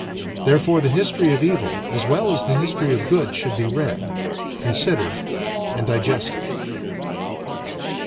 Therefore the history of evil as well as the history of good should be read, considered, and digested.